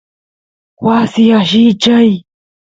wasi allichay